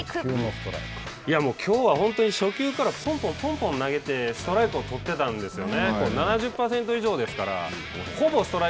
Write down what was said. もうきょうは本当に初球からぽんぽん、ぽんぽん投げてストライクを取ってたんですよね。